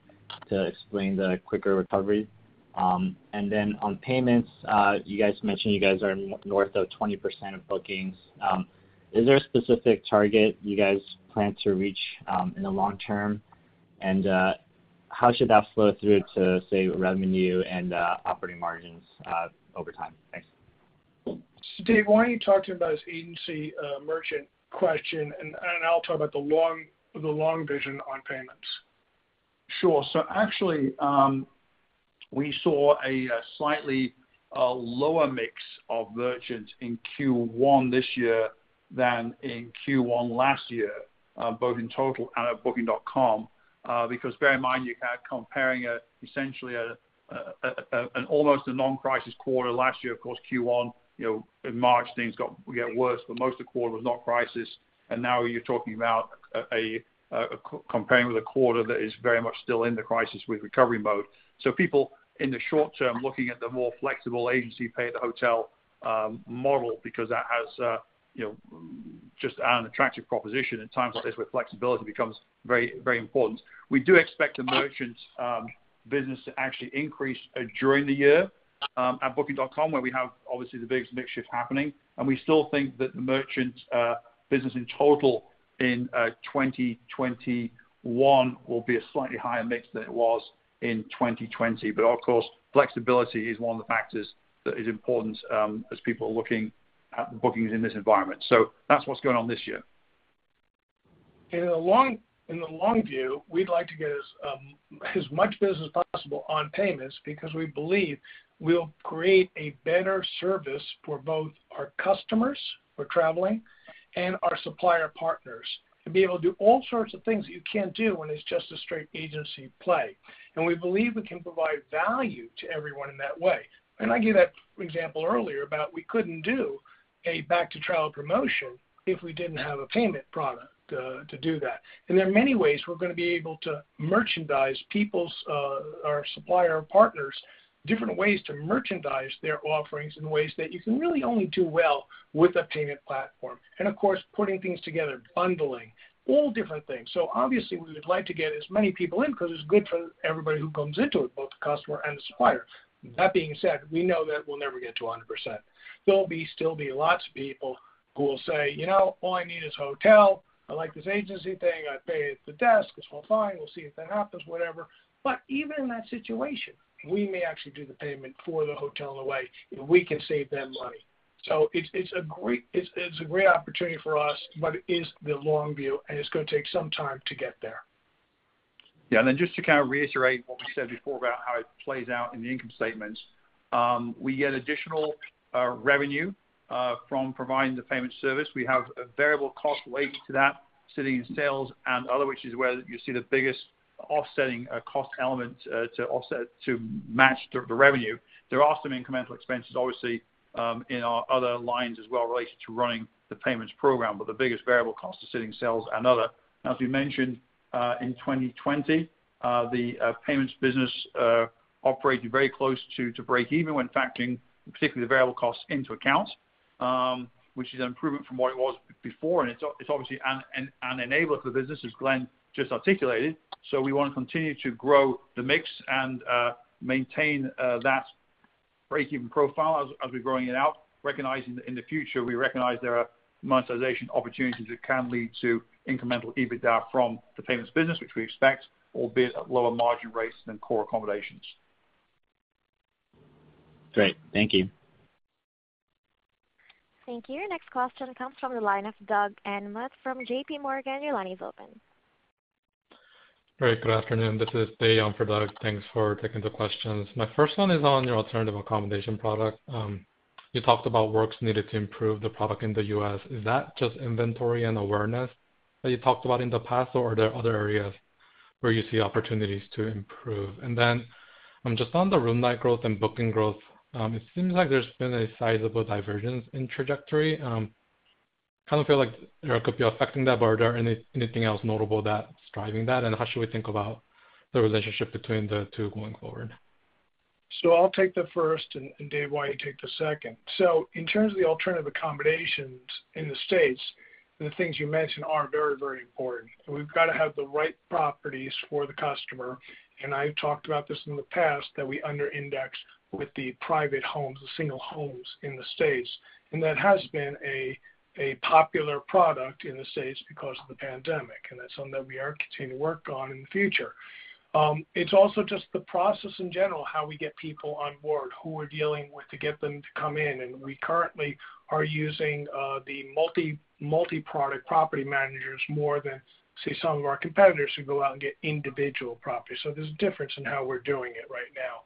to explain the quicker recovery? On payments, you guys mentioned you guys are north of 20% of bookings. Is there a specific target you guys plan to reach in the long term? How should that flow through to, say, revenue and operating margins over time? Thanks. David Goulden, why don't you talk to him about his agency merchant question, and I'll talk about the long vision on payments. Sure. Actually, we saw a slightly lower mix of merchants in Q1 this year than in Q1 last year, both in total and at Booking.com, because bear in mind, you're comparing essentially an almost a non-crisis quarter last year, of course, Q1, in March, things got worse, but most of the quarter was not crisis. Now you're talking about comparing with a quarter that is very much still in the crisis with recovery mode. People in the short term, looking at the more flexible agency pay at the hotel model because that has just an attractive proposition in times like this where flexibility becomes very important. We do expect the merchant business to actually increase during the year at booking.com, where we have obviously the biggest mix shift happening, and we still think that the merchant business in total in 2021 will be a slightly higher mix than it was in 2020. Of course, flexibility is one of the factors that is important as people are looking at the bookings in this environment. That's what's going on this year. In the long view, we'd like to get as much business as possible on payments because we believe we'll create a better service for both our customers who are traveling and our supplier partners to be able to do all sorts of things that you can't do when it's just a straight agency play. We believe we can provide value to everyone in that way. I gave that example earlier about we couldn't do a Back to Travel promotion if we didn't have a payment product to do that. There are many ways we're going to be able to merchandise supplier and partners, different ways to merchandise their offerings in ways that you can really only do well with a payment platform. Of course, putting things together, bundling, all different things. Obviously we would like to get as many people in because it's good for everybody who comes into it, both the customer and the supplier. That being said, we know that we'll never get to 100%. There'll still be lots of people who will say, "All I need is hotel. I like this agency thing. I pay at the desk. It's fine. We'll see if that happens," whatever. Even in that situation, we may actually do the payment for the hotel anyway if we can save them money. It's a great opportunity for us, but it is the long view, and it's going to take some time to get there. Yeah. Just to reiterate what we said before about how it plays out in the income statements. We get additional revenue from providing the payment service. We have a variable cost related to that sitting in sales and other, which is where you see the biggest offsetting cost element to match the revenue. There are some incremental expenses, obviously, in our other lines as well related to running the payments program, but the biggest variable cost is sitting sales and other. As we mentioned, in 2020, the payments business operated very close to break even when factoring particularly the variable costs into account, which is an improvement from what it was before. It's obviously an enabler for the business, as Glenn just articulated. We want to continue to grow the mix and maintain that break-even profile as we're growing it out, recognizing that in the future, we recognize there are monetization opportunities that can lead to incremental EBITDA from the payments business, which we expect will be at lower margin rates than core accommodations. Great. Thank you. Thank you. Next question comes from the line of Doug Anmuth from JPMorgan. Your line is open. Great. Good afternoon. This is Dave for Doug Anmuth. Thanks for taking the questions. My first one is on your alternative accommodation product. You talked about works needed to improve the product in the U.S. Is that just inventory and awareness that you talked about in the past? Are there other areas where you see opportunities to improve? Just on the room night growth and booking growth, it seems like there's been a sizable divergence in trajectory. I kind of feel like there could be affecting that. Are there anything else notable that's driving that? How should we think about the relationship between the two going forward? I'll take the first, and Dave, why don't you take the second. In terms of the alternative accommodations in the U.S., the things you mentioned are very important. We've got to have the right properties for the customer. I've talked about this in the past, that we under-index with the private homes, the single homes in the U.S. That has been a popular product in the U.S. because of the pandemic, and that's something that we are continuing to work on in the future. It's also just the process in general, how we get people on board, who we're dealing with to get them to come in. We currently are using the multi-product property managers more than, say, some of our competitors who go out and get individual properties. There's a difference in how we're doing it right now.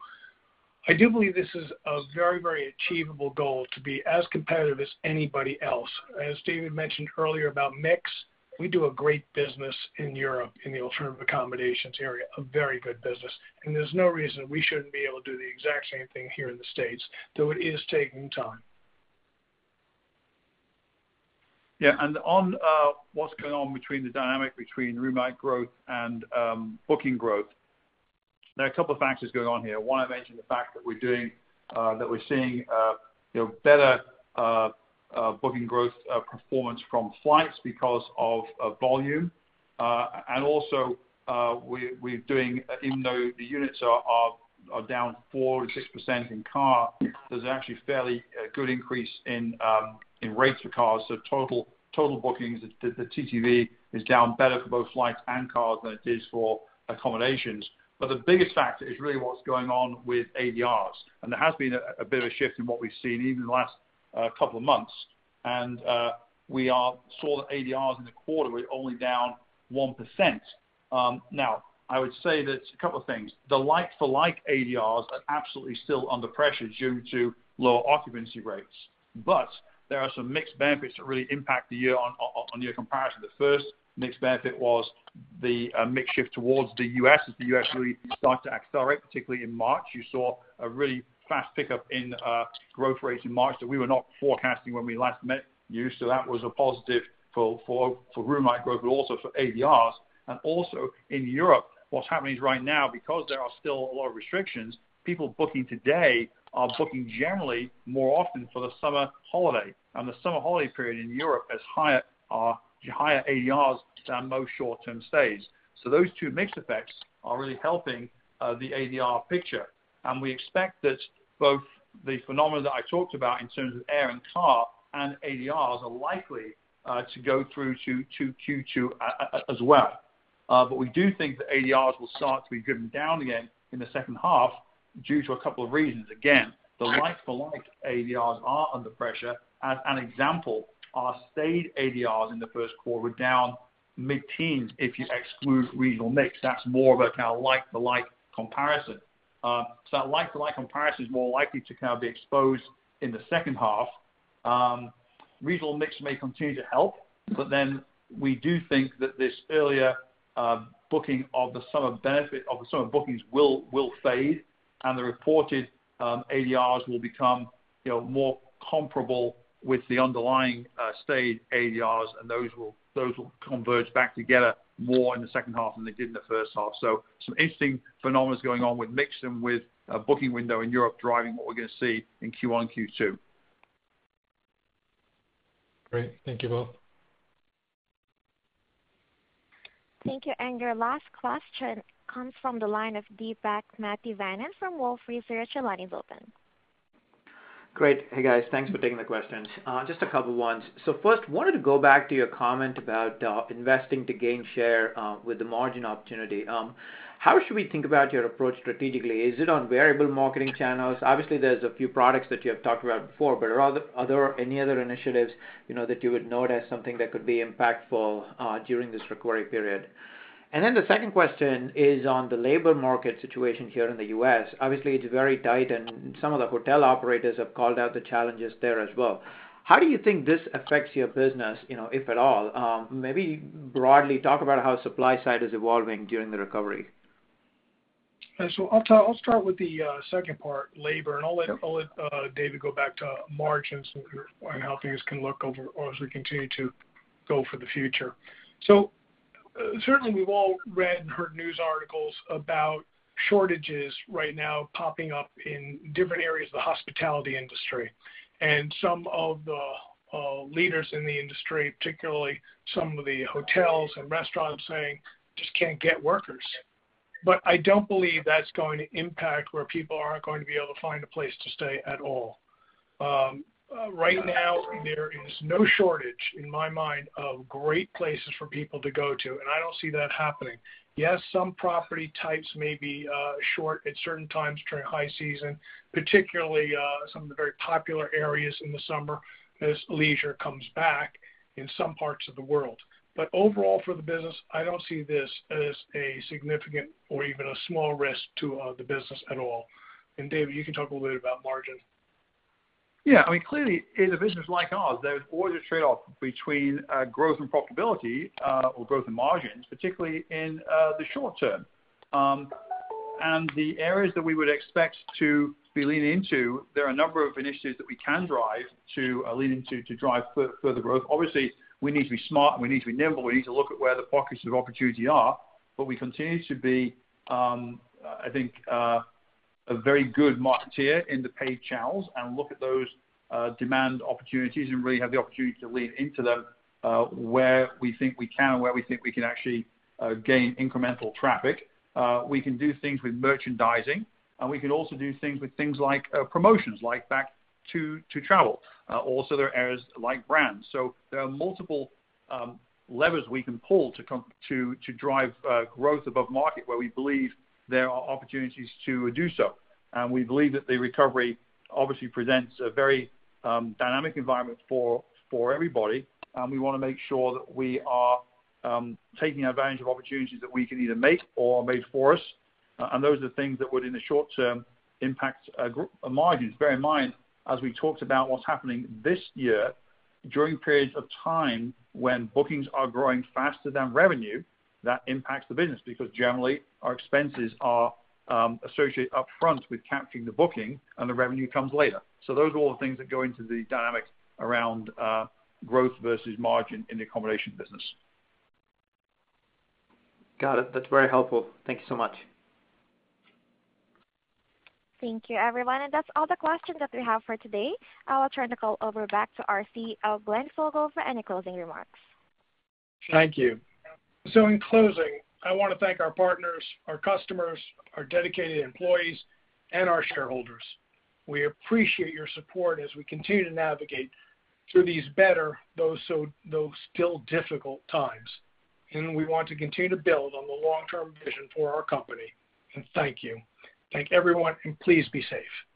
I do believe this is a very achievable goal to be as competitive as anybody else. As David mentioned earlier about mix, we do a great business in Europe in the alternative accommodations area, a very good business, and there's no reason we shouldn't be able to do the exact same thing here in the States, though it is taking time. Yeah. On what's going on between the dynamic between room night growth and booking growth, there are a couple of factors going on here. One, I mentioned the fact that we're seeing better booking growth performance from flights because of volume. Also, even though the units are down 4%-6% in car, there's actually a fairly good increase in rates for cars. Total bookings, the TTV is down better for both flights and cars than it is for accommodations. The biggest factor is really what's going on with ADRs. There has been a bit of a shift in what we've seen even in the last couple of months. We saw the ADRs in the quarter were only down 1%. Now, I would say that a couple of things, the like-for-like ADRs are absolutely still under pressure due to lower occupancy rates, but there are some mixed benefits that really impact on year comparison. The first mixed benefit was the mix shift towards the U.S. as the U.S. really started to accelerate, particularly in March. You saw a really fast pickup in growth rates in March that we were not forecasting when we last met you. That was a positive for room night growth, but also for ADRs. Also in Europe, what's happening is right now, because there are still a lot of restrictions, people booking today are booking generally more often for the summer holiday. The summer holiday period in Europe has higher ADRs than most short-term stays. Those two mix effects are really helping the ADR picture. We expect that both the phenomena that I talked about in terms of air and car and ADRs are likely to go through to Q2 as well. We do think that ADRs will start to be driven down again in the second half due to a couple of reasons. The like-for-like ADRs are under pressure. As an example, our stayed ADRs in the first quarter were down mid-teens, if you exclude regional mix. That's more of a like-for-like comparison. That like-for-like comparison is more likely to be exposed in the second half. Regional mix may continue to help. We do think that this earlier booking of the summer benefit of the summer bookings will fade, and the reported ADRs will become more comparable with the underlying stayed ADRs, and those will converge back together more in the second half than they did in the first half. Some interesting phenomenons going on with mix and with booking window in Europe driving what we're going to see in Q1, Q2. Great. Thank you, both. Thank you. Your last question comes from the line of Deepak Mathivanan from Wolfe Research. The line is open. Great. Hey, guys. Thanks for taking the questions. Just a couple ones. First, wanted to go back to your comment about investing to gain share with the margin opportunity. How should we think about your approach strategically? Is it on variable marketing channels? Obviously, there's a few products that you have talked about before, but are there any other initiatives that you would note as something that could be impactful during this recovery period? The second question is on the labor market situation here in the U.S. Obviously, it's very tight, and some of the hotel operators have called out the challenges there as well. How do you think this affects your business, if at all? Maybe broadly talk about how supply side is evolving during the recovery. I'll start with the second part, labor, and I'll let David go back to margins and how things can look as we continue to go for the future. Certainly we've all read and heard news articles about shortages right now popping up in different areas of the hospitality industry. Some of the leaders in the industry, particularly some of the hotels and restaurants, saying just can't get workers. I don't believe that's going to impact where people aren't going to be able to find a place to stay at all. Right now, there is no shortage, in my mind, of great places for people to go to, and I don't see that happening. Yes, some property types may be short at certain times during high season, particularly some of the very popular areas in the summer as leisure comes back in some parts of the world. Overall for the business, I don't see this as a significant or even a small risk to the business at all. David, you can talk a little bit about margins. Yeah, I mean, clearly in a business like ours, there's always a trade-off between growth and profitability or growth and margins, particularly in the short term. The areas that we would expect to be leaning into, there are a number of initiatives that we can drive to lean into to drive further growth. Obviously, we need to be smart, and we need to be nimble. We need to look at where the pockets of opportunity are. We continue to be, I think, a very good marketeer in the paid channels and look at those demand opportunities and really have the opportunity to lean into them where we think we can and where we think we can actually gain incremental traffic. We can do things with merchandising, and we can also do things with things like promotions, like Back to Travel. Also, there are areas like brands. There are multiple levers we can pull to drive growth above market where we believe there are opportunities to do so. We believe that the recovery obviously presents a very dynamic environment for everybody, and we want to make sure that we are taking advantage of opportunities that we can either make or are made for us, and those are the things that would, in the short term, impact margins. Bear in mind, as we talked about what's happening this year, during periods of time when bookings are growing faster than revenue, that impacts the business because generally our expenses are associated upfront with capturing the booking and the revenue comes later. Those are all the things that go into the dynamics around growth versus margin in the accommodation business. Got it. That's very helpful. Thank you so much. Thank you, everyone. That's all the questions that we have for today. I will turn the call over back to our CEO, Glenn Fogel, for any closing remarks. Thank you. In closing, I want to thank our partners, our customers, our dedicated employees, and our shareholders. We appreciate your support as we continue to navigate through these better, though still difficult times. We want to continue to build on the long-term vision for our company. Thank you. Thank everyone, and please be safe.